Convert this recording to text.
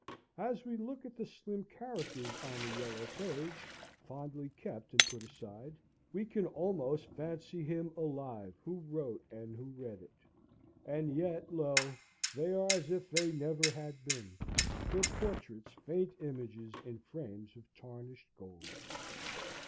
As we look at the slim characters on the yellow page, fondly kept and put aside, we can almost fancy him alive who wrote and who read it and yet, lo! they are as if they never had been; their portraits faint images in frames of tarnished gold.